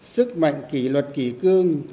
sức mạnh kỷ luật kỷ cương